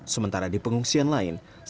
sementara di pengungsian lainnya